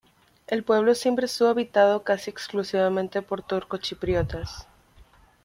El pueblo siempre estuvo habitado casi exclusivamente por turcochipriotas.